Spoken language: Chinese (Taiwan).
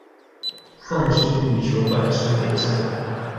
鳳西羽球館西北側